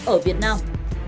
ở việt nam